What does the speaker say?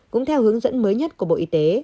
cũng theo hướng dẫn mới nhất của bộ y tế